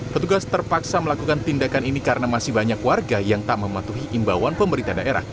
petugas terpaksa melakukan tindakan ini karena masih banyak warga yang tak mematuhi imbauan pemerintah daerah